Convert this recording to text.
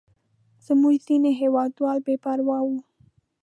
زموږ ځینې هېوادوال بې پروا وو.